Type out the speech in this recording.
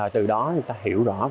từ đó người ta hiểu rõ